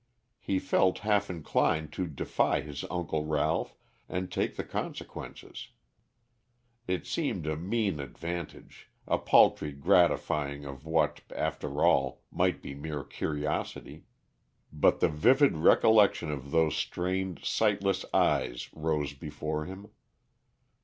He felt half inclined to defy his uncle Ralph and take the consequences. It seemed a mean advantage, a paltry gratifying of what, after all, might be mere curiosity. But the vivid recollection of those strained, sightless eyes rose before him.